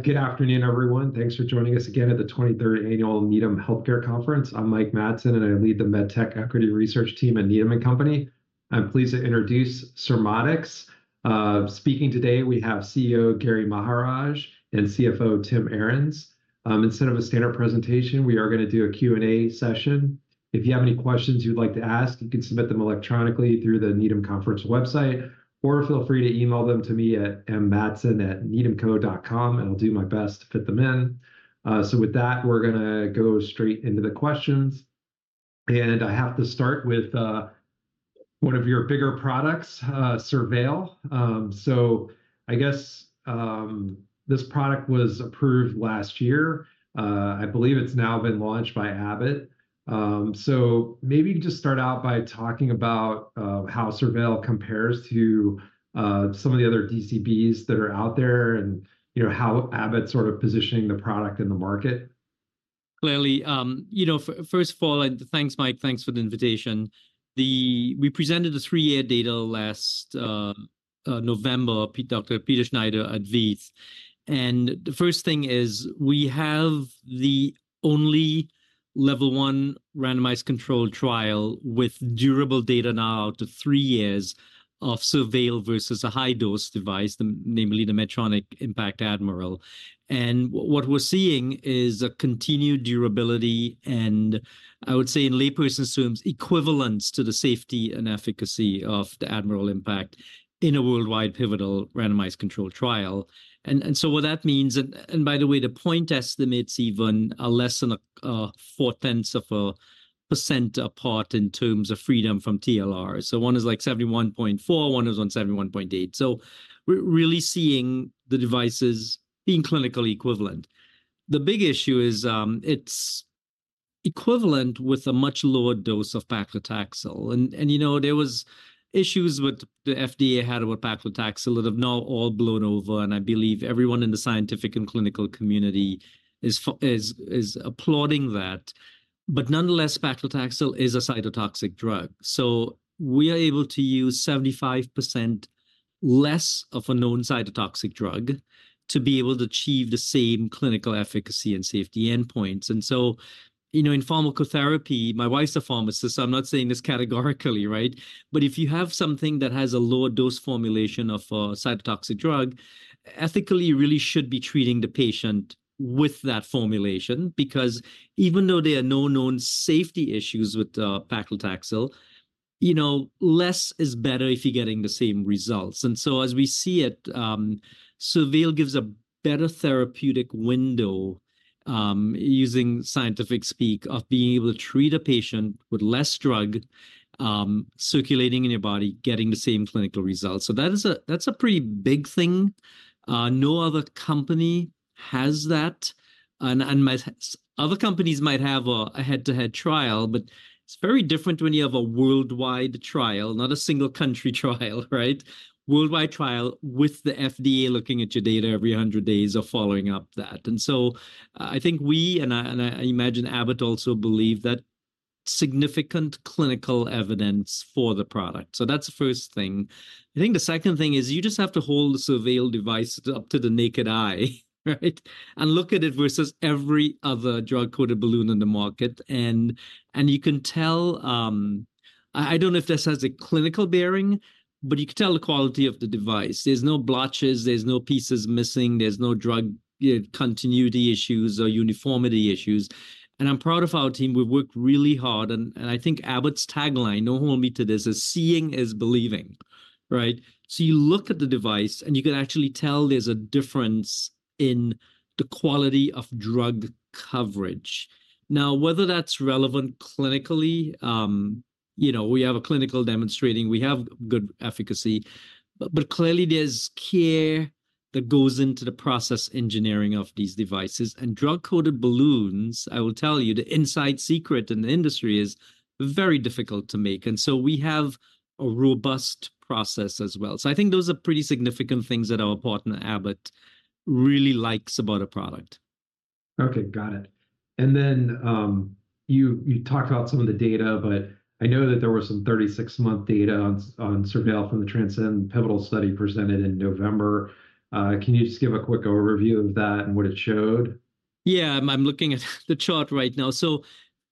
Good afternoon, everyone. Thanks for joining us again at the 23rd Annual Needham Healthcare Conference. I'm Mike Matson, and I lead the MedTech Equity Research Team at Needham & Company. I'm pleased to introduce Surmodics. Speaking today, we have CEO Gary Maharaj and CFO Tim Arens. Instead of a standard presentation, we are going to do a Q&A session. If you have any questions you'd like to ask, you can submit them electronically through the Needham Conference website, or feel free to email them to me at mmatson@needhamco.com, and I'll do my best to fit them in. So with that, we're going to go straight into the questions. And I have to start with one of your bigger products, SurVeil. So I guess this product was approved last year. I believe it's now been launched by Abbott. Maybe just start out by talking about how SurVeil compares to some of the other DCBs that are out there and how Abbott's sort of positioning the product in the market. Clearly. First of all, thanks, Mike. Thanks for the invitation. We presented the 3-year data last November, Dr. Peter Schneider at VEITH. The first thing is, we have the only Level 1 randomized controlled trial with durable data now out to 3 years of SurVeil versus a high-dose device, namely the Medtronic IN.PACT Admiral. And what we're seeing is a continued durability and, I would say, in layperson's terms, equivalence to the safety and efficacy of the IN.PACT Admiral in a worldwide pivotal randomized controlled trial. So what that means and by the way, the point estimates even are less than a 0.4% apart in terms of freedom from TLR. So one is like 71.4, one is on 71.8. So we're really seeing the devices being clinically equivalent. The big issue is, it's equivalent with a much lower dose of paclitaxel. There were issues with the FDA had about paclitaxel that have now all blown over, and I believe everyone in the scientific and clinical community is applauding that. But nonetheless, paclitaxel is a cytotoxic drug. So we are able to use 75% less of a known cytotoxic drug to be able to achieve the same clinical efficacy and safety endpoints. And so in pharmacotherapy, my wife's a pharmacist, so I'm not saying this categorically, right? But if you have something that has a lower dose formulation of a cytotoxic drug, ethically, you really should be treating the patient with that formulation because even though there are no known safety issues with paclitaxel, less is better if you're getting the same results. And so as we see it, SurVeil gives a better therapeutic window, using scientific speak, of being able to treat a patient with less drug circulating in your body, getting the same clinical results. So that's a pretty big thing. No other company has that. And other companies might have a head-to-head trial, but it's very different when you have a worldwide trial, not a single-country trial, right? Worldwide trial with the FDA looking at your data every 100 days or following up that. And so I think we and I imagine Abbott also believe that. Significant clinical evidence for the product. So that's the first thing. I think the second thing is, you just have to hold the SurVeil device up to the naked eye, right? And look at it versus every other drug-coated balloon in the market. And you can tell I don't know if this has a clinical bearing, but you can tell the quality of the device. There's no blotches. There's no pieces missing. There's no drug continuity issues or uniformity issues. And I'm proud of our team. We've worked really hard. And I think Abbott's tagline, no hold me to this, is "Seeing is believing," right? So you look at the device, and you can actually tell there's a difference in the quality of drug coverage. Now, whether that's relevant clinically, we have a clinical demonstrating we have good efficacy. But clearly, there's care that goes into the process engineering of these devices. And drug-coated balloons, I will tell you, the inside secret in the industry is very difficult to make. And so we have a robust process as well. I think those are pretty significant things that our partner, Abbott, really likes about a product. Okay. Got it. And then you talked about some of the data, but I know that there were some 36-month data on SurVeil from the TRANSCEND Pivotal Study presented in November. Can you just give a quick overview of that and what it showed? Yeah. I'm looking at the chart right now. So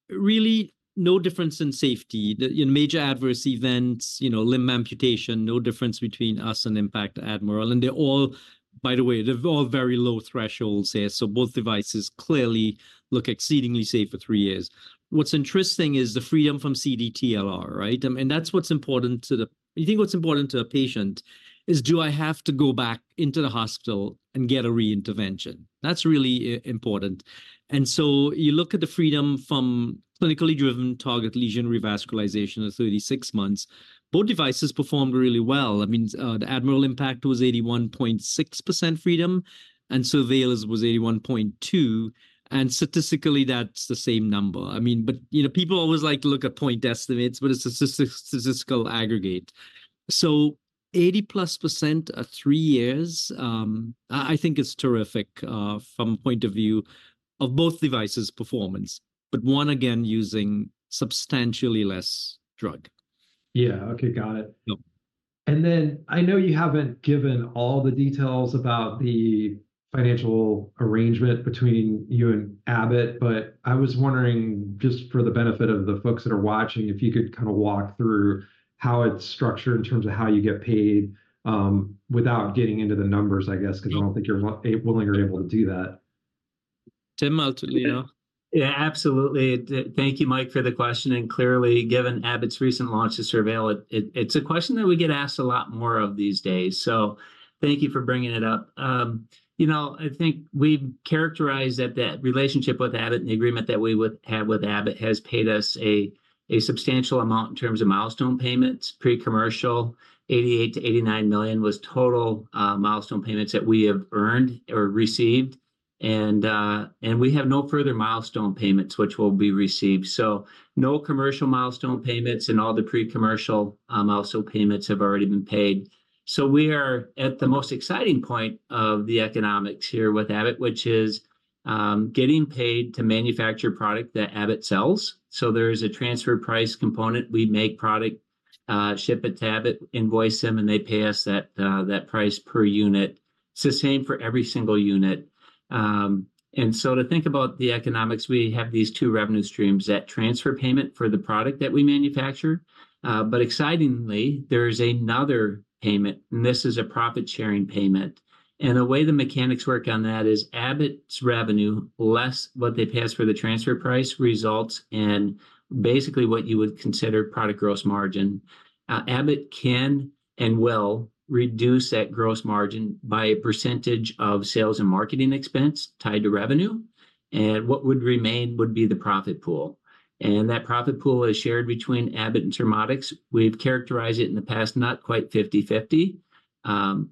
really, no difference in safety. Major adverse events, limb amputation, no difference between us and IN.PACT Admiral. And they're all by the way, they're all very low thresholds here. So both devices clearly look exceedingly safe for three years. What's interesting is the freedom from CDTLR, right? And that's what's important to you, you think what's important to a patient is, do I have to go back into the hospital and get a reintervention? That's really important. And so you look at the freedom from clinically driven target lesion revascularization at 36 months. Both devices performed really well. I mean, the IN.PACT Admiral was 81.6% freedom, and SurVeil's was 81.2%. And statistically, that's the same number. I mean, but people always like to look at point estimates, but it's a statistical aggregate. 80+% at 3 years, I think it's terrific from the point of view of both devices' performance, but one, again, using substantially less drug. Yeah. Okay. Got it. And then I know you haven't given all the details about the financial arrangement between you and Abbott, but I was wondering, just for the benefit of the folks that are watching, if you could kind of walk through how it's structured in terms of how you get paid without getting into the numbers, I guess, because I don't think you're willing or able to do that. Timothy, over to Leo. Yeah. Absolutely. Thank you, Mike, for the question. And clearly, given Abbott's recent launch of SurVeil, it's a question that we get asked a lot more of these days. So thank you for bringing it up. I think we've characterized that relationship with Abbott and the agreement that we have with Abbott has paid us a substantial amount in terms of milestone payments. Pre-commercial, $88 million-$89 million was total milestone payments that we have earned or received. And we have no further milestone payments, which will be received. So no commercial milestone payments, and all the pre-commercial milestone payments have already been paid. So we are at the most exciting point of the economics here with Abbott, which is getting paid to manufacture product that Abbott sells. So there is a transfer price component. We make product, ship it to Abbott, invoice them, and they pay us that price per unit. It's the same for every single unit. And so to think about the economics, we have these two revenue streams: that transfer payment for the product that we manufacture. But excitingly, there is another payment, and this is a profit-sharing payment. And the way the mechanics work on that is Abbott's revenue less what they pass for the transfer price results in basically what you would consider product gross margin. Abbott can and will reduce that gross margin by a percentage of sales and marketing expense tied to revenue. And what would remain would be the profit pool. And that profit pool is shared between Abbott and Surmodics. We've characterized it in the past not quite 50/50.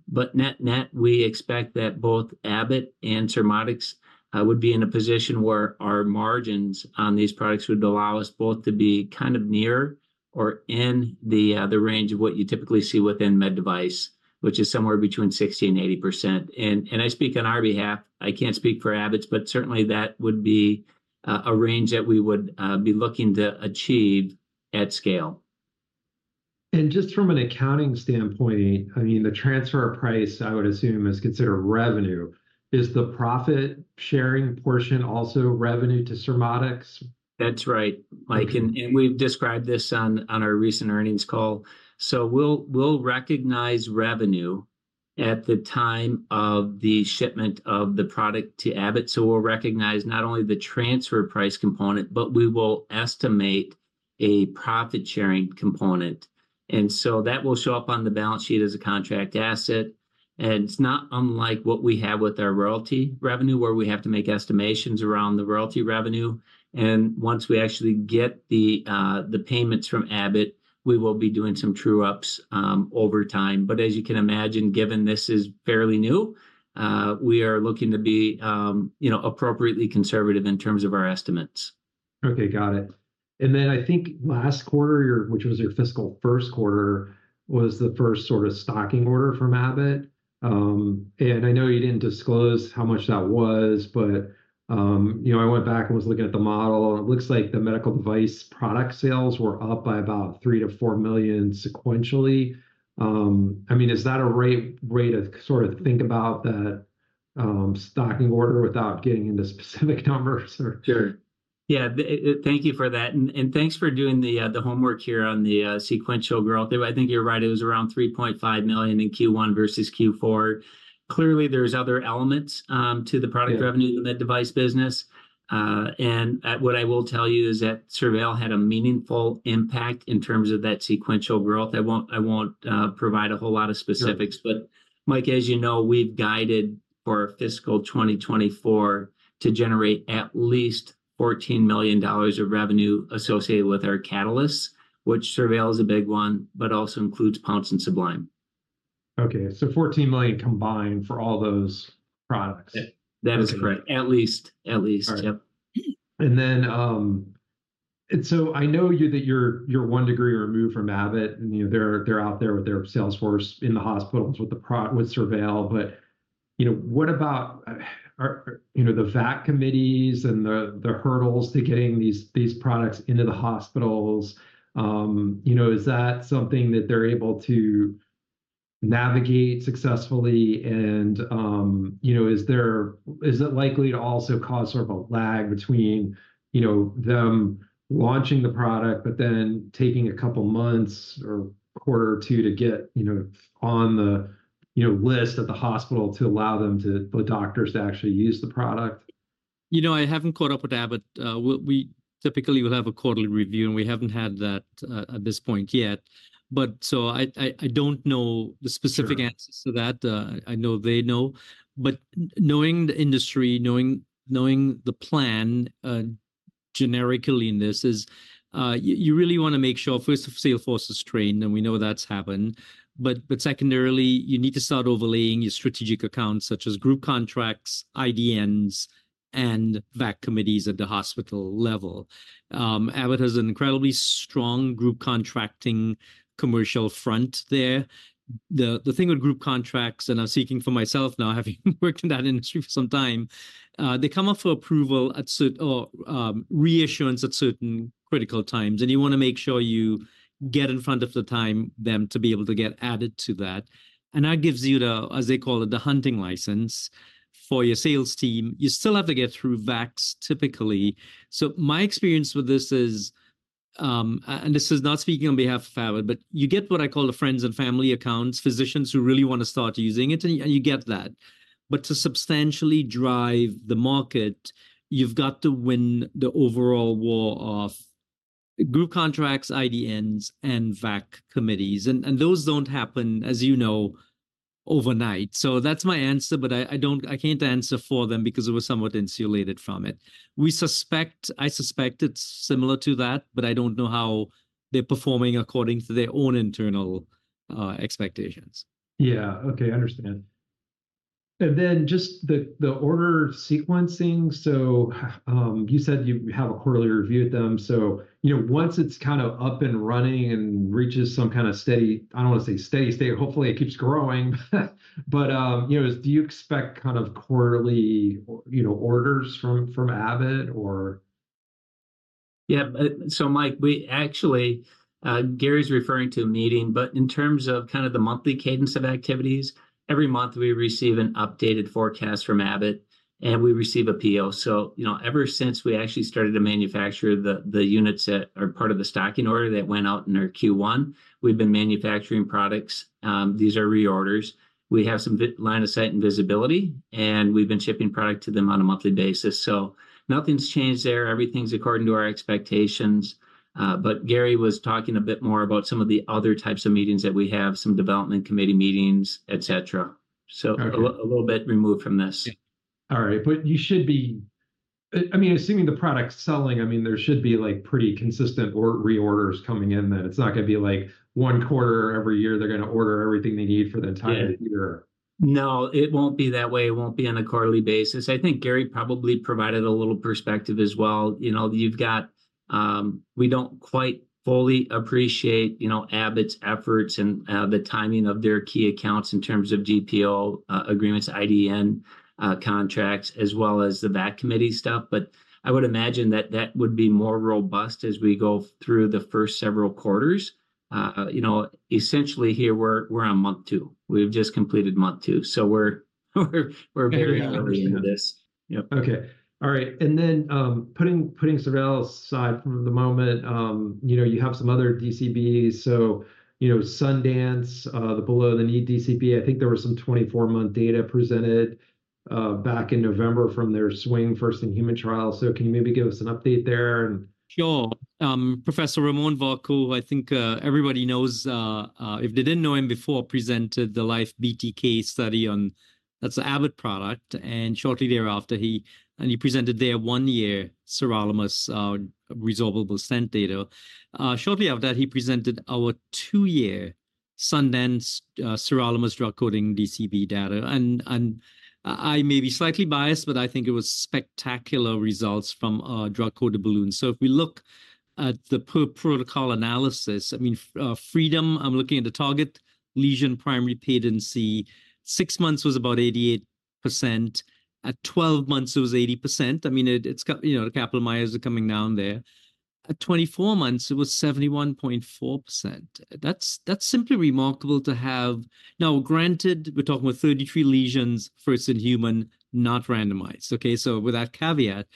But net-net, we expect that both Abbott and Surmodics would be in a position where our margins on these products would allow us both to be kind of near or in the range of what you typically see within med device, which is somewhere between 60%-80%. And I speak on our behalf. I can't speak for Abbott, but certainly, that would be a range that we would be looking to achieve at scale. Just from an accounting standpoint, I mean, the transfer price, I would assume, is considered revenue. Is the profit-sharing portion also revenue to Surmodics? That's right, Mike. And we've described this on our recent earnings call. So we'll recognize revenue at the time of the shipment of the product to Abbott. So we'll recognize not only the transfer price component, but we will estimate a profit-sharing component. And so that will show up on the balance sheet as a contract asset. And it's not unlike what we have with our royalty revenue, where we have to make estimations around the royalty revenue. And once we actually get the payments from Abbott, we will be doing some true-ups over time. But as you can imagine, given this is fairly new, we are looking to be appropriately conservative in terms of our estimates. Okay. Got it. And then I think last quarter, which was your fiscal first quarter, was the first sort of stocking order from Abbott. And I know you didn't disclose how much that was, but I went back and was looking at the model. It looks like the medical device product sales were up by about $3 million-$4 million sequentially. I mean, is that a right way to sort of think about that stocking order without getting into specific numbers? Sure. Yeah. Thank you for that. And thanks for doing the homework here on the sequential growth. I think you're right. It was around $3.5 million in Q1 versus Q4. Clearly, there's other elements to the product revenue in the med device business. And what I will tell you is that SurVeil had a meaningful impact in terms of that sequential growth. I won't provide a whole lot of specifics. But Mike, as you know, we've guided for fiscal 2024 to generate at least $14 million of revenue associated with our catalysts, which SurVeil is a big one, but also includes Pounce and Sublime. Okay. So $14 million combined for all those products. That is correct. At least. Yep. I know that you're one degree removed from Abbott. They're out there with their sales force in the hospitals with SurVeil. But what about the VAC committees and the hurdles to getting these products into the hospitals? Is that something that they're able to navigate successfully? And is it likely to also cause sort of a lag between them launching the product but then taking a couple of months or quarter or two to get on the list at the hospital to allow the doctors to actually use the product? I haven't caught up with Abbott. We typically will have a quarterly review, and we haven't had that at this point yet. So I don't know the specific answers to that. I know they know. But knowing the industry, knowing the plan generically in this is you really want to make sure first, Salesforce is trained, and we know that's happened. But secondarily, you need to start overlaying your strategic accounts such as group contracts, IDNs, and VAC committees at the hospital level. Abbott has an incredibly strong group contracting commercial front there. The thing with group contracts, and I'm speaking for myself now having worked in that industry for some time, they come up for approval or reassurance at certain critical times. And you want to make sure you get in front of them in time to be able to get added to that. That gives you the, as they call it, the hunting license for your sales team. You still have to get through VACs, typically. My experience with this is, and this is not speaking on behalf of Abbott, but you get what I call the friends and family accounts, physicians who really want to start using it, and you get that. To substantially drive the market, you've got to win the overall war of group contracts, IDNs, and VAC committees. Those don't happen, as you know, overnight. That's my answer, but I can't answer for them because it was somewhat insulated from it. I suspect it's similar to that, but I don't know how they're performing according to their own internal expectations. Yeah. Okay. Understand. And then just the order sequencing. So you said you have a quarterly review at them. So once it's kind of up and running and reaches some kind of steady, I don't want to say steady state. Hopefully, it keeps growing. But do you expect kind of quarterly orders from Abbott, or? Yeah. So Mike, actually, Gary's referring to a meeting. But in terms of kind of the monthly cadence of activities, every month, we receive an updated forecast from Abbott, and we receive a PO. So ever since we actually started to manufacture the units that are part of the stocking order that went out in our Q1, we've been manufacturing products. These are reorders. We have some line of sight and visibility, and we've been shipping product to them on a monthly basis. So nothing's changed there. Everything's according to our expectations. But Gary was talking a bit more about some of the other types of meetings that we have, some development committee meetings, etc., so a little bit removed from this. All right. But you should be, I mean, assuming the product's selling, I mean, there should be pretty consistent reorders coming in then. It's not going to be like one quarter every year, they're going to order everything they need for the entire year. No. It won't be that way. It won't be on a quarterly basis. I think Gary probably provided a little perspective as well. We don't quite fully appreciate Abbott's efforts and the timing of their key accounts in terms of GPO agreements, IDN contracts, as well as the VAC committee stuff. But I would imagine that that would be more robust as we go through the first several quarters. Essentially, here, we're on month 2. We've just completed month 2. So we're very early into this. Yep. Okay. All right. And then putting SurVeil aside for the moment, you have some other DCBs. So Sundance, the below-the-knee DCB, I think there was some 24-month data presented back in November from their SWING first-in-human trial. So can you maybe give us an update there and? Sure. Professor Ramon Varcoe, who I think everybody knows if they didn't know him before, presented the LIFE-BTK study on that's an Abbott product. And shortly thereafter, he presented there one-year sirolimus resorbable stent data. Shortly after that, he presented our two-year Sundance sirolimus drug-coated DCB data. And I may be slightly biased, but I think it was spectacular results from drug-coated balloons. So if we look at the per-protocol analysis, I mean, freedom, I'm looking at the target lesion primary patency. 6 months was about 88%. At 12 months, it was 80%. I mean, the Kaplan-Meiers are coming down there. At 24 months, it was 71.4%. That's simply remarkable to have now, granted, we're talking about 33 lesions, first-in-human, not randomized, okay, so with that caveat.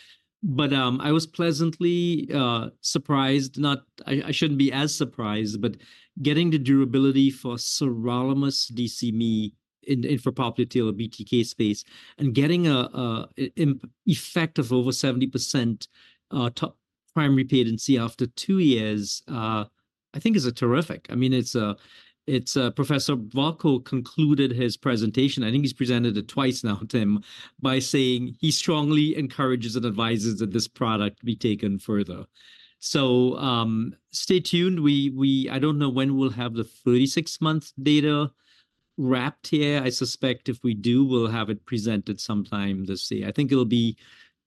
But I was pleasantly surprised not I shouldn't be as surprised, but getting the durability for sirolimus DCB in the infrapopliteal tail of BTK space and getting an effect of over 70% primary patency after two years, I think, is terrific. I mean, Professor Varcoe concluded his presentation I think he's presented it twice now, Tim, by saying he strongly encourages and advises that this product be taken further. So stay tuned. I don't know when we'll have the 36-month data wrapped here. I suspect if we do, we'll have it presented sometime this year. I think it'll be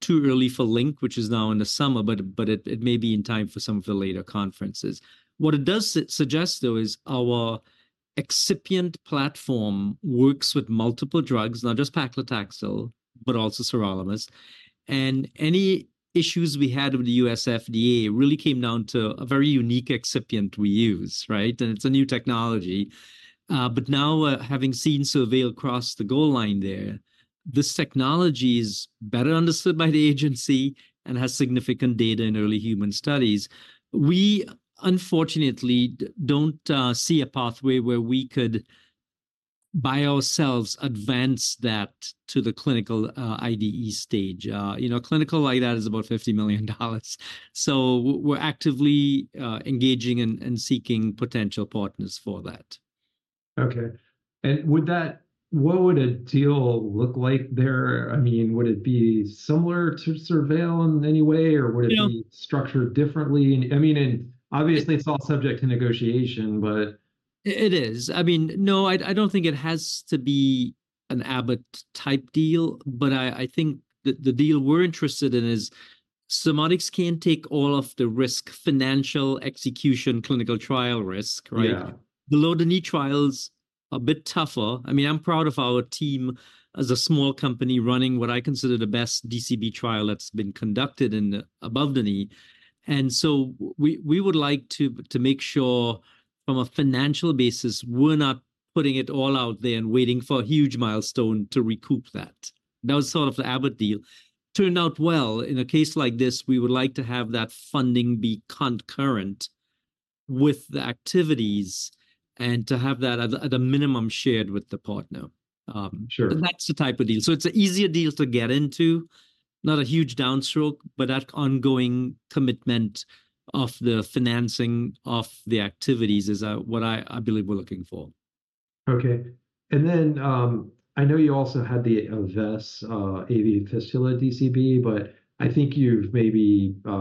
too early for LINQ, which is now in the summer, but it may be in time for some of the later conferences. What it does suggest, though, is our excipient platform works with multiple drugs, not just paclitaxel, but also sirolimus. Any issues we had with the U.S. FDA really came down to a very unique excipient we use, right? It's a new technology. But now, having seen SurVeil cross the goal line there, this technology is better understood by the agency and has significant data in early human studies. We, unfortunately, don't see a pathway where we could by ourselves advance that to the clinical IDE stage. A clinical like that is about $50 million. So we're actively engaging and seeking potential partners for that. Okay. And what would a deal look like there? I mean, would it be similar to SurVeil in any way, or would it be structured differently? I mean, and obviously, it's all subject to negotiation, but. It is. I mean, no, I don't think it has to be an Abbott-type deal. But I think the deal we're interested in is Surmodics can take all of the risk, financial execution, clinical trial risk, right? Below the knee trials are a bit tougher. I mean, I'm proud of our team as a small company running what I consider the best DCB trial that's been conducted in the above-the-knee. And so we would like to make sure from a financial basis, we're not putting it all out there and waiting for a huge milestone to recoup that. That was sort of the Abbott deal. Turned out well. In a case like this, we would like to have that funding be concurrent with the activities and to have that at a minimum shared with the partner. And that's the type of deal. It's an easier deal to get into, not a huge downstroke, but that ongoing commitment of the financing of the activities is what I believe we're looking for. Okay. And then I know you also had the Avess AV fistula DCB, but I think you've maybe, I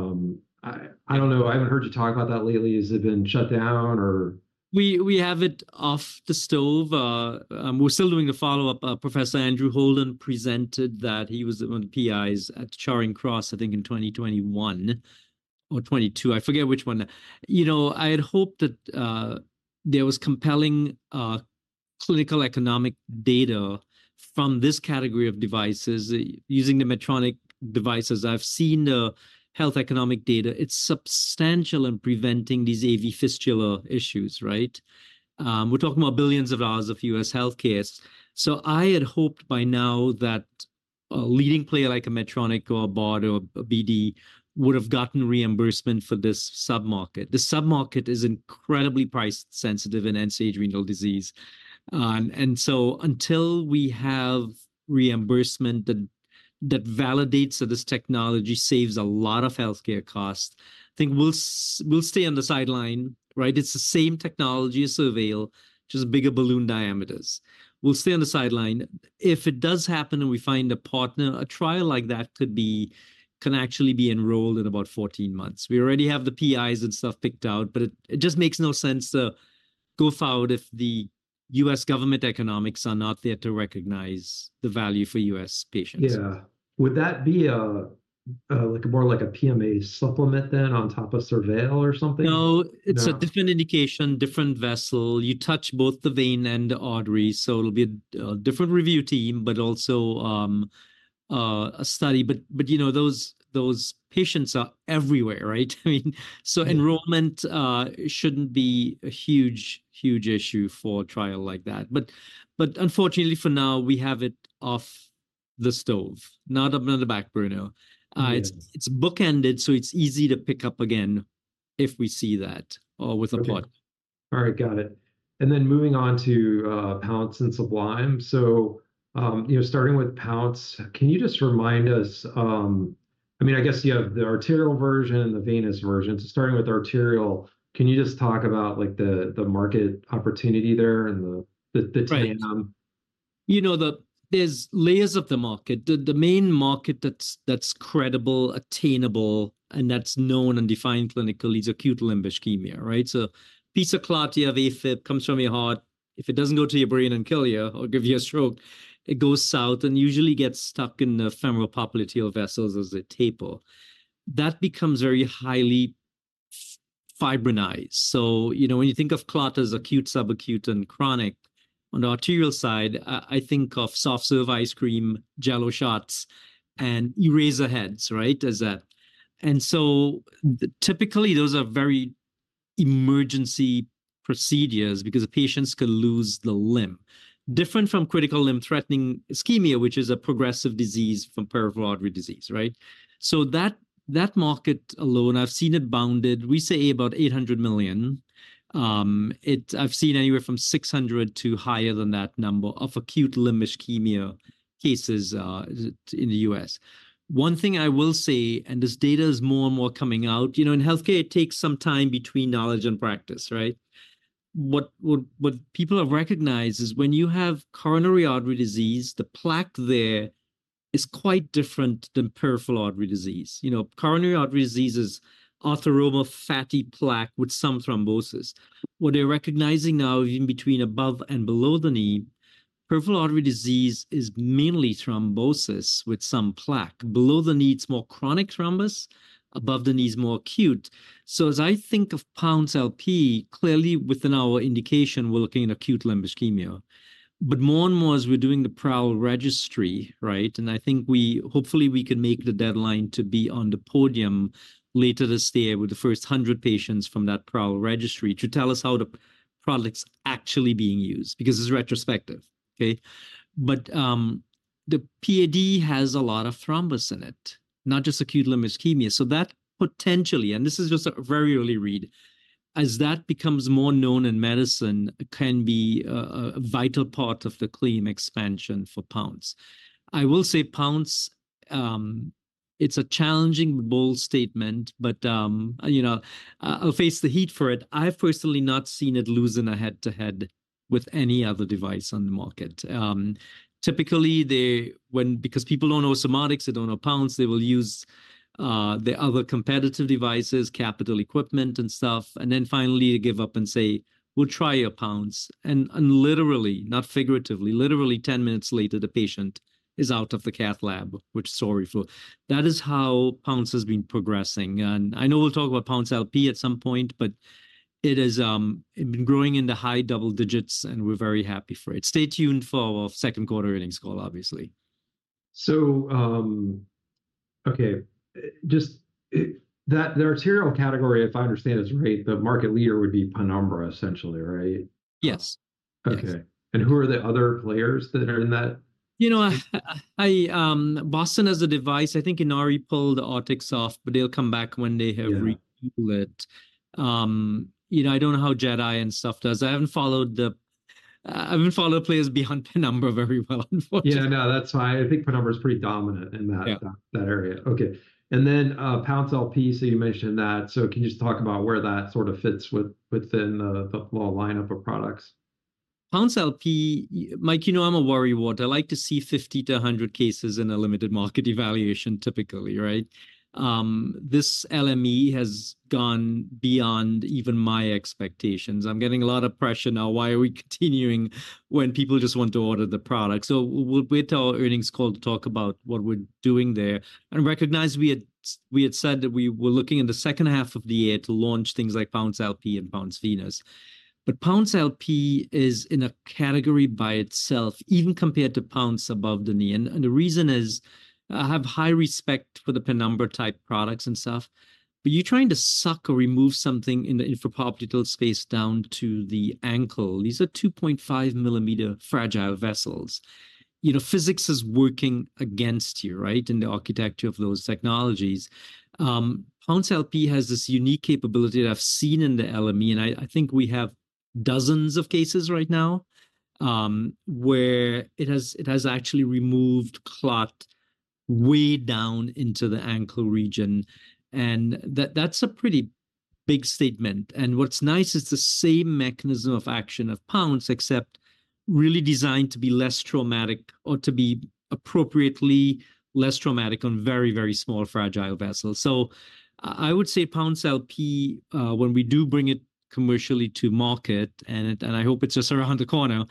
don't know. I haven't heard you talk about that lately. Has it been shut down, or? We have it off the stove. We're still doing a follow-up. Professor Andrew Holden presented that. He was one of the PIs at Charing Cross, I think, in 2021 or 2022. I forget which one. I had hoped that there was compelling clinical economic data from this category of devices. Using the Medtronic devices, I've seen the health economic data. It's substantial in preventing these AV fistula issues, right? We're talking about $ billions of U.S. healthcare. So I had hoped by now that a leading player like a Medtronic or BD would have gotten reimbursement for this submarket. The submarket is incredibly price-sensitive in end-stage renal disease. And so until we have reimbursement that validates that this technology saves a lot of healthcare costs, I think we'll stay on the sideline, right? It's the same technology as SurVeil, just bigger balloon diameters. We'll stay on the sideline. If it does happen and we find a partner, a trial like that can actually be enrolled in about 14 months. We already have the PIs and stuff picked out, but it just makes no sense to go forward if the U.S. government economics are not there to recognize the value for U.S. patients. Yeah. Would that be more like a PMA supplement than on top of SurVeil or something? No. It's a different indication, different vessel. You touch both the vein and the artery. So it'll be a different review team, but also a study. But those patients are everywhere, right? I mean, so enrollment shouldn't be a huge, huge issue for a trial like that. But unfortunately, for now, we have it off the stove, not on the back burner. It's book-ended, so it's easy to pick up again if we see that with a partner. All right. Got it. Then moving on to Pounce and Sublime. Starting with Pounce, can you just remind us? I mean, I guess you have the arterial version and the venous version. Starting with arterial, can you just talk about the market opportunity there and the TAM? Right. There's layers of the market. The main market that's credible, attainable, and that's known and defined clinically is acute limb ischemia, right? So piece of clot you have AFib comes from your heart. If it doesn't go to your brain and kill you or give you a stroke, it goes south and usually gets stuck in the femoropopliteal vessels as a taper. That becomes very highly fibrinized. So when you think of clot as acute, subacute, and chronic, on the arterial side, I think of soft serve ice cream, Jell-O shots, and eraser heads, right, as that. And so typically, those are very emergency procedures because patients can lose the limb, different from critical limb-threatening ischemia, which is a progressive disease from peripheral artery disease, right? So that market alone, I've seen it bounded, we say, about $800 million. I've seen anywhere from 600 to higher than that number of acute limb ischemia cases in the U.S. One thing I will say, and this data is more and more coming out, in healthcare, it takes some time between knowledge and practice, right? What people have recognized is when you have coronary artery disease, the plaque there is quite different than peripheral artery disease. Coronary artery disease is atheroma, fatty plaque with some thrombosis. What they're recognizing now, even between above and below the knee, peripheral artery disease is mainly thrombosis with some plaque. Below the knee, it's more chronic thrombus. Above the knee is more acute. So as I think of Pounce LP, clearly, within our indication, we're looking at acute limb ischemia. But more and more, as we're doing the PROWL Registry, right, and I think hopefully, we can make the deadline to be on the podium later this year with the first 100 patients from that PROWL Registry to tell us how the product's actually being used because it's retrospective, okay? But the PAD has a lot of thrombus in it, not just acute limb ischemia. So that potentially and this is just a very early read as that becomes more known in medicine, can be a vital part of the claim expansion for Pounce. I will say Pounce, it's a challenging bold statement, but I'll face the heat for it. I've personally not seen it lose in a head-to-head with any other device on the market. Typically, because people don't know Surmodics, they don't know Pounce, they will use the other competitive devices, capital equipment and stuff, and then finally, they give up and say, "We'll try your Pounce." And literally, not figuratively, literally, 10 minutes later, the patient is out of the cath lab, which is sorry for. That is how Pounce has been progressing. And I know we'll talk about Pounce LP at some point, but it has been growing into high double digits, and we're very happy for it. Stay tuned for our second quarter earnings call, obviously. So okay. Just the arterial category, if I understand this right, the market leader would be Penumbra, essentially, right? Yes. Yes. Okay. Who are the other players that are in that? Boston has a device. I think Inari pulled the Arctic off, but they'll come back when they have recouped it. I don't know how JETi and stuff does. I haven't followed players beyond Penumbra very well, unfortunately. Yeah. No, that's fine. I think Penumbra is pretty dominant in that area. Okay. And then Pounce LP, so you mentioned that. So can you just talk about where that sort of fits within the whole lineup of products? Pounce LP, Mike, you know I'm a worrywart. I like to see 50-100 cases in a limited market evaluation, typically, right? This LME has gone beyond even my expectations. I'm getting a lot of pressure now, "Why are we continuing when people just want to order the product?" So we'll wait till our earnings call to talk about what we're doing there and recognize we had said that we were looking in the second half of the year to launch things like Pounce LP and Pounce Venous. But Pounce LP is in a category by itself, even compared to Pounce above the knee. And the reason is I have high respect for the Penumbra-type products and stuff. But you're trying to suck or remove something in the infrapopliteal space down to the ankle. These are 2.5-millimeter fragile vessels. Physics is working against you, right, in the architecture of those technologies. Pounce LP has this unique capability that I've seen in the LME. I think we have dozens of cases right now where it has actually removed clot way down into the ankle region. That's a pretty big statement. What's nice is the same mechanism of action of Pounce, except really designed to be less traumatic or to be appropriately less traumatic on very, very small fragile vessels. So I would say Pounce LP, when we do bring it commercially to market, and I hope it's just around the corner,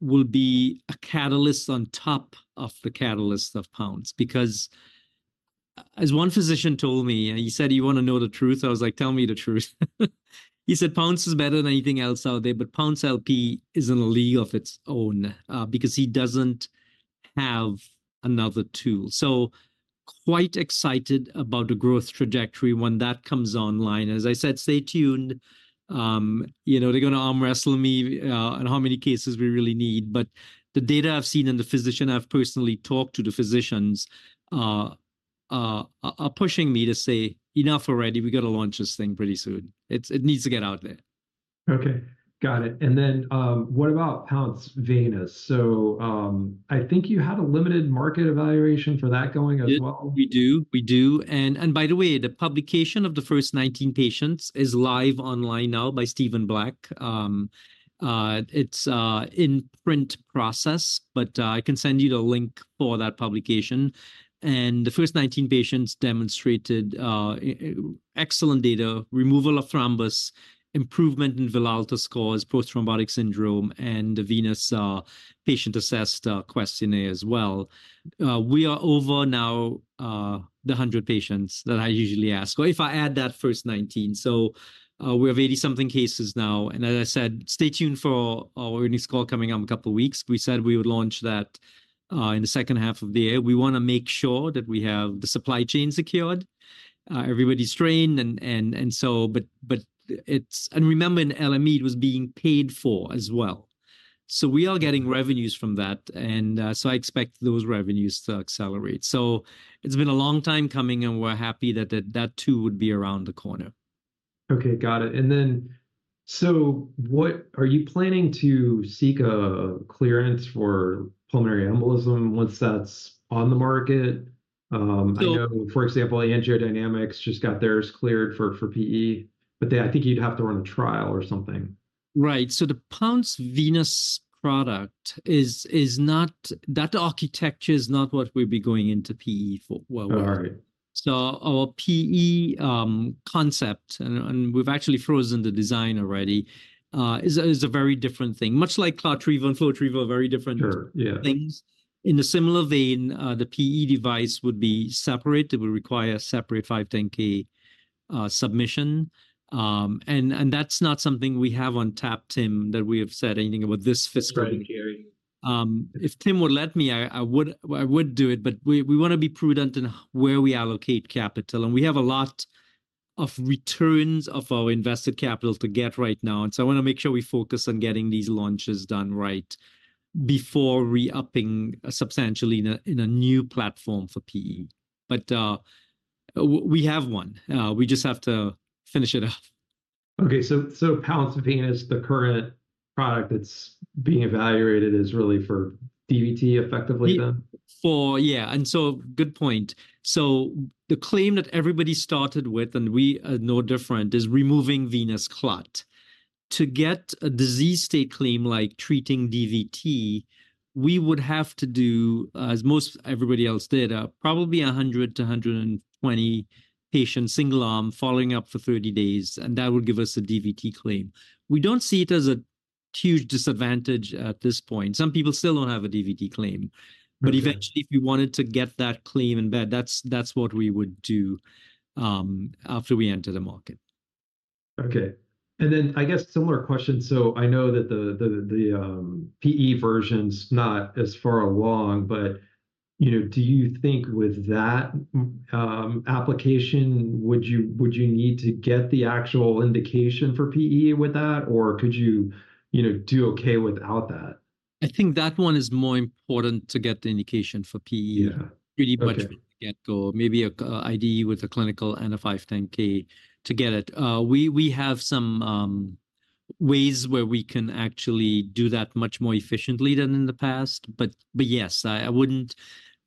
will be a catalyst on top of the catalyst of Pounce because, as one physician told me, he said, "You want to know the truth?" I was like, "Tell me the truth." He said, "Pounce is better than anything else out there, but Pounce LP is in a league of its own because he doesn't have another tool." So quite excited about the growth trajectory when that comes online. And as I said, stay tuned. They're going to arm-wrestle me on how many cases we really need. But the data I've seen and the physician I've personally talked to, the physicians, are pushing me to say, "Enough already. We got to launch this thing pretty soon. It needs to get out there. Okay. Got it. And then what about Pounce Venous? So I think you had a limited market evaluation for that going as well. We do. We do. By the way, the publication of the first 19 patients is live online now by Stephen Black. It's in print process, but I can send you the link for that publication. And the first 19 patients demonstrated excellent data, removal of thrombus, improvement in Villalta scores, post-thrombotic syndrome, and the venous patient-assessed questionnaire as well. We are over now the 100 patients that I usually ask or if I add that first 19. So we have 80-something cases now. And as I said, stay tuned for our earnings call coming up in a couple of weeks. We said we would launch that in the second half of the year. We want to make sure that we have the supply chain secured, everybody trained, and so but remember, an LME, it was being paid for as well. So we are getting revenues from that. And so I expect those revenues to accelerate. So it's been a long time coming, and we're happy that that too would be around the corner. Okay. Got it. Are you planning to seek a clearance for pulmonary embolism once that's on the market? I know, for example, AngioDynamics just got theirs cleared for PE, but I think you'd have to run a trial or something. Right. So the Pounce Venous product is not that architecture is not what we'll be going into PE for. All right. So our PE concept, and we've actually frozen the design already, is a very different thing, much like CloudTrevo and FlowTriever, very different things. In a similar vein, the PE device would be separate. It would require a separate 510(k) submission. That's not something we have on tap, Tim, that we have said anything about this fiscal year. If Tim would let me, I would do it. But we want to be prudent in where we allocate capital. We have a lot of returns of our invested capital to get right now. So I want to make sure we focus on getting these launches done right before re-upping substantially in a new platform for PE. But we have one. We just have to finish it up. Okay. So Pounce Venous, the current product that's being evaluated, is really for DVT effectively then? Yeah. And so good point. So the claim that everybody started with, and we are no different, is removing venous clot. To get a disease state claim like treating DVT, we would have to do, as most everybody else did, probably 100-120 patients, single arm, following up for 30 days. And that would give us a DVT claim. We don't see it as a huge disadvantage at this point. Some people still don't have a DVT claim. But eventually, if we wanted to get that claim in bed, that's what we would do after we enter the market. Okay. And then I guess similar question. So I know that the PE version's not as far along, but do you think with that application, would you need to get the actual indication for PE with that, or could you do okay without that? I think that one is more important to get the indication for PE, pretty much from the get-go, maybe an IDE with a clinical and a 510(k) to get it. We have some ways where we can actually do that much more efficiently than in the past. But yes,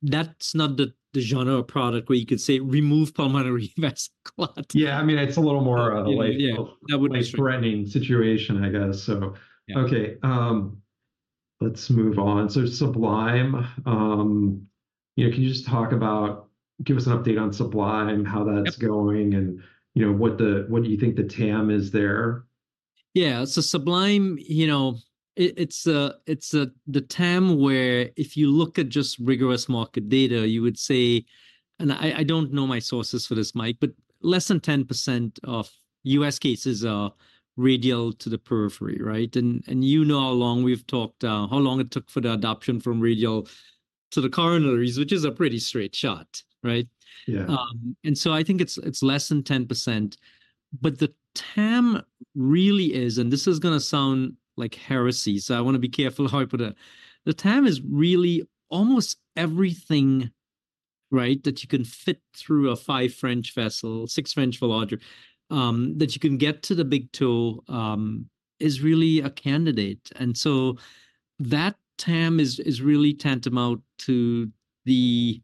that's not the genre of product where you could say, "Remove pulmonary vascular clot. Yeah. I mean, it's a little more like a threatening situation, I guess. So, okay. Let's move on. So, Sublime, can you just talk about give us an update on Sublime, how that's going, and what do you think the TAM is there? Yeah. So Sublime, it's the TAM where if you look at just rigorous market data, you would say, and I don't know my sources for this, Mike, but less than 10% of U.S. cases are radial to the periphery, right? And you know how long we've talked how long it took for the adoption from radial to the coronaries, which is a pretty straight shot, right? And so I think it's less than 10%. But the TAM really is, and this is going to sound like heresy, so I want to be careful how I put it. The TAM is really almost everything, right, that you can fit through a 5-French vessel, 6-French sheath, that you can get to the big toe is really a candidate. And so that TAM is really tantamount to the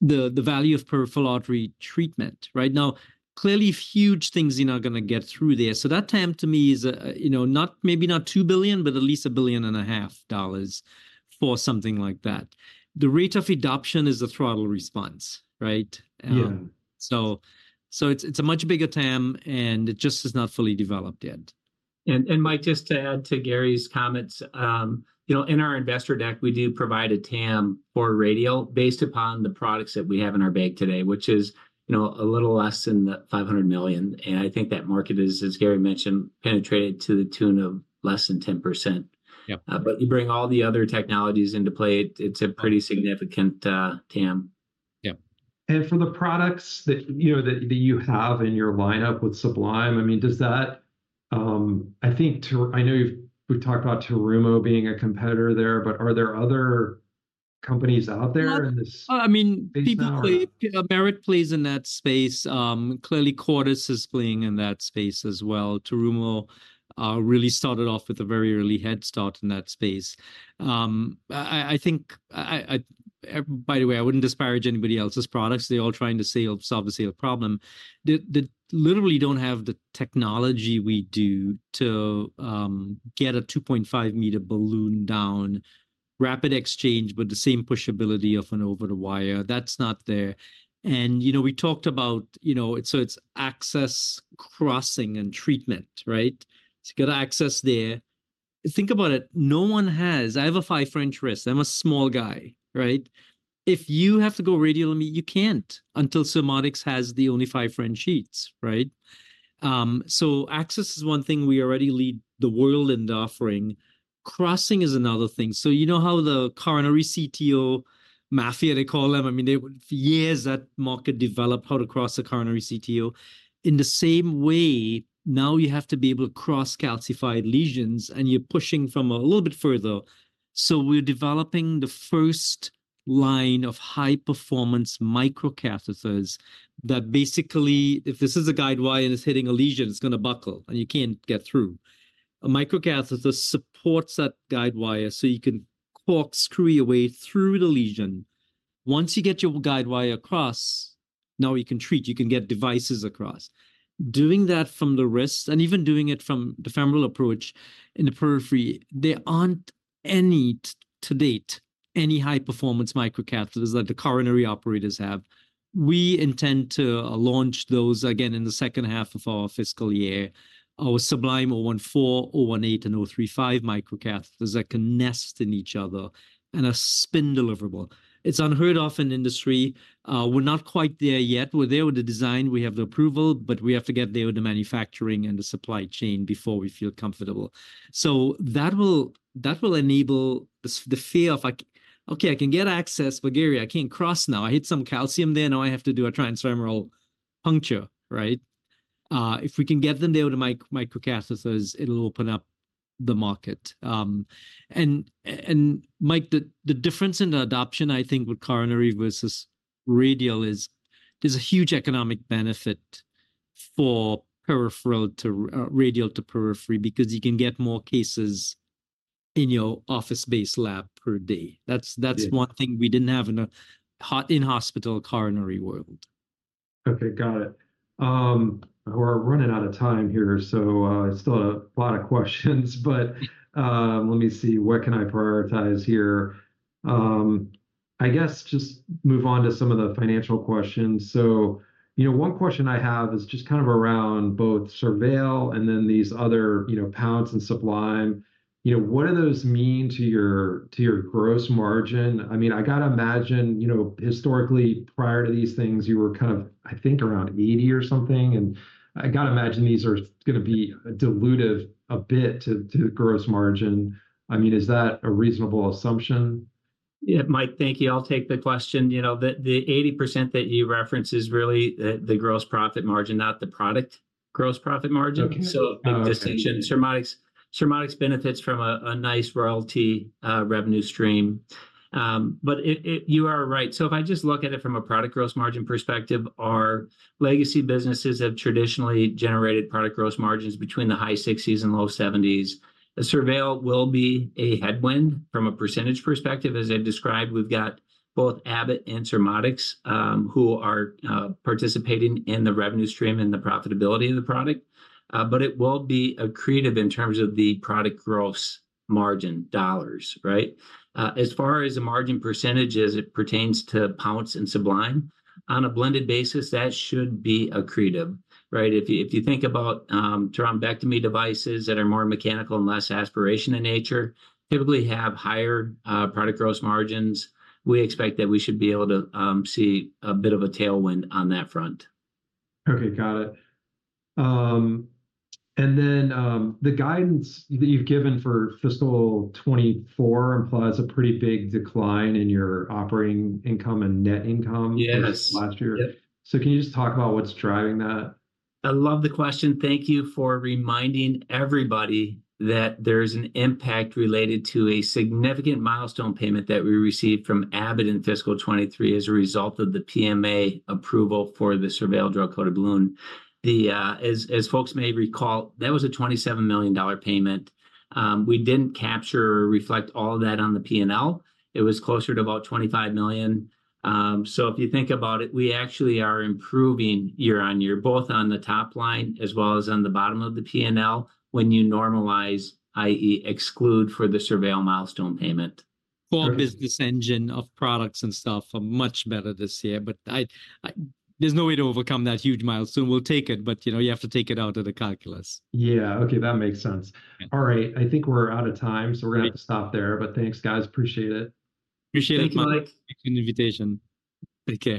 value of peripheral artery treatment, right? Now, clearly, huge things are going to get through there. So that TAM, to me, is maybe not $2 billion, but at least $1.5 billion for something like that. The rate of adoption is a throttle response, right? So it's a much bigger TAM, and it just is not fully developed yet. Mike, just to add to Gary's comments, in our investor deck, we do provide a TAM for radial based upon the products that we have in our bag today, which is a little less than $500 million. I think that market is, as Gary mentioned, penetrated to the tune of less than 10%. You bring all the other technologies into play, it's a pretty significant TAM. Yeah. For the products that you have in your lineup with Sublime, I mean, does that? I think I know we've talked about Terumo being a competitor there, but are there other companies out there in this space? I mean, typically, Merit plays in that space. Clearly, Cordis is playing in that space as well. Terumo really started off with a very early head start in that space. By the way, I wouldn't disparage anybody else's products. They're all trying to solve the same problem. They literally don't have the technology we do to get a 2.5-meter balloon down, rapid exchange, but the same pushability of an over-the-wire. That's not there. And we talked about so it's access, crossing, and treatment, right? So you got access there. Think about it. No one has. I have a 5-French wrist. I'm a small guy, right? If you have to go radial and medial, you can't until Surmodics has the only 5-French sheaths, right? So access is one thing. We already lead the world in the offering. Crossing is another thing. So you know how the coronary CTO mafia, they call them? I mean, for years, that market developed how to cross a coronary CTO. In the same way, now you have to be able to cross calcified lesions, and you're pushing from a little bit further. So we're developing the first line of high-performance microcatheters that basically if this is a guidewire and it's hitting a lesion, it's going to buckle, and you can't get through. A microcatheter supports that guidewire so you can cork, screw your way through the lesion. Once you get your guidewire across, now you can treat. You can get devices across. Doing that from the wrist and even doing it from the femoral approach in the periphery, there aren't any to date, any high-performance microcatheters that the coronary operators have. We intend to launch those again in the second half of our fiscal year, our Sublime 014, 018, and 035 microcatheters that can nest in each other and are spin deliverable. It's unheard of in industry. We're not quite there yet. We're there with the design. We have the approval, but we have to get there with the manufacturing and the supply chain before we feel comfortable. So that will enable the fear of, "Okay, I can get access, but Gary, I can't cross now. I hit some calcium there. Now I have to do a transfemoral puncture," right? If we can get them there with the microcatheters, it'll open up the market. And Mike, the difference in adoption, I think, with coronary versus radial is there's a huge economic benefit for radial to periphery because you can get more cases in your office-based lab per day. That's one thing we didn't have in a hot in-hospital coronary world. Okay. Got it. We're running out of time here, so I still have a lot of questions. But let me see. What can I prioritize here? I guess just move on to some of the financial questions. So one question I have is just kind of around both SurVeil and then these other Pounce and Sublime. What do those mean to your gross margin? I mean, I got to imagine, historically, prior to these things, you were kind of, I think, around 80 or something. And I got to imagine these are going to be dilutive a bit to the gross margin. I mean, is that a reasonable assumption? Yeah. Mike, thank you. I'll take the question. The 80% that you reference is really the gross profit margin, not the product gross profit margin. So big distinction. Surmodics benefits from a nice royalty revenue stream. But you are right. So if I just look at it from a product gross margin perspective, our legacy businesses have traditionally generated product gross margins between the high 60s% and low 70s%. SurVeil will be a headwind from a percentage perspective. As I described, we've got both Abbott and Surmodics who are participating in the revenue stream and the profitability of the product. But it will be accretive in terms of the product gross margin dollars, right? As far as a margin percentage as it pertains to Pounce and Sublime, on a blended basis, that should be accretive, right? If you think about thrombectomy devices that are more mechanical and less aspiration in nature, typically have higher product gross margins, we expect that we should be able to see a bit of a tailwind on that front. Okay. Got it. And then the guidance that you've given for fiscal 2024 implies a pretty big decline in your operating income and net income last year. So can you just talk about what's driving that? I love the question. Thank you for reminding everybody that there is an impact related to a significant milestone payment that we received from Abbott in fiscal 2023 as a result of the PMA approval for the SurVeil drug-coated balloon. As folks may recall, that was a $27 million payment. We didn't capture or reflect all of that on the P&L. It was closer to about $25 million. So if you think about it, we actually are improving year-over-year, both on the top line as well as on the bottom of the P&L when you normalize, i.e., exclude for the SurVeil milestone payment. Whole business engine of products and stuff are much better this year. But there's no way to overcome that huge milestone. We'll take it, but you have to take it out of the calculus. Yeah. Okay. That makes sense. All right. I think we're out of time, so we're going to have to stop there. But thanks, guys. Appreciate it. Appreciate it, Mike. Thanks, Mike. Thanks for the invitation. Okay.